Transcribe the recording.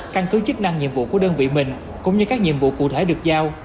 căn cứ chức năng nhiệm vụ của đơn vị mình cũng như các nhiệm vụ cụ thể được giao